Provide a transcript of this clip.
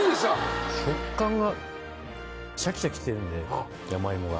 食感がシャキシャキしてるんで山芋が。